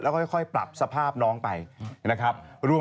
แล้วก็ค่อยปรับสภาพน้องไปนะครับ